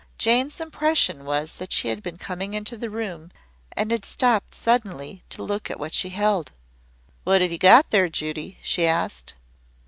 Jane's impression was that she had been coming into the room and had stopped suddenly to look at what she held. "What've you got there, Judy?" she asked.